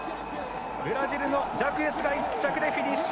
ブラジルのジャクエスが１着でフィニッシュ。